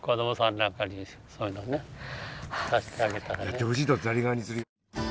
やってほしいとザリガニ釣り。